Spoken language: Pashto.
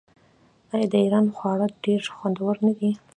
آیا د ایران خواړه ډیر خوندور نه دي؟